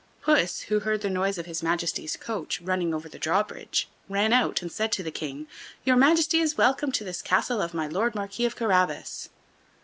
Puss, who heard the noise of his Majesty's coach running over the draw bridge, ran out, and said to the King: "Your Majesty is welcome to this castle of my Lord Marquis of Carabas."